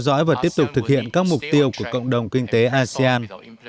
kế hoạch tiếp tục thực hiện các mục tiêu của cộng đồng kinh tế asean